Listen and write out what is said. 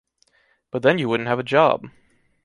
But then you wouldn’t have a job.